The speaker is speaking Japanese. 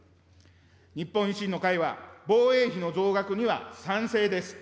日本維新の会は、防衛費の増額には賛成です。